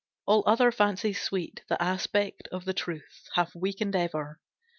All other fancies sweet The aspect of the truth Hath weakened ever.